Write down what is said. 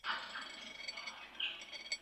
راتلونکي کي به زموږ څېړني نړیوال معیار ته ورسیږي.